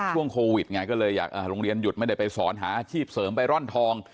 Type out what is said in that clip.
ช่วงโควิดไงก็เลยอยากโรงเรียนหยุดไม่ได้ไปสอนหาอาชีพเสริมไปร่อนทอง